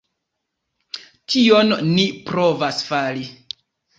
Tion ni provas fari.